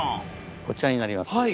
こちらになります。